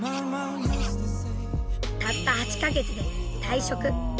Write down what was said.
たった８か月で退職。